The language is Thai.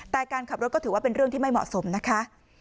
แต่การขับรถก็ถือว่าเป็นเรื่องที่ไม่เหมาะสมนะคะ